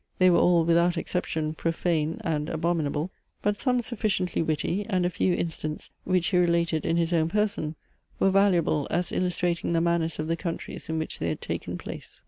They were all without exception profane and abominable, but some sufficiently witty, and a few incidents, which he related in his own person, were valuable as illustrating the manners of the countries in which they had taken place.